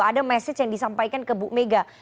ada message yang disampaikan ke bu mega